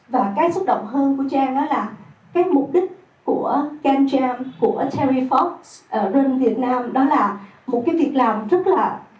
và cái xúc động hơn của trang đó là cái mục đích của can jam của terry fox run việt nam đó là một cái việc làm rất là ý nghĩa